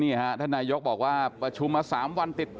ท่านนายกบอกว่าประชุมมา๓วันติด